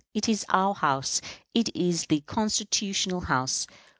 It is our House. It is the constitutional House.